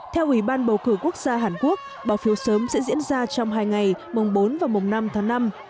theo ủy ban bầu cử quốc gia hàn quốc bỏ phiếu sớm sẽ diễn ra trong hai ngày mùng bốn và mùng năm tháng năm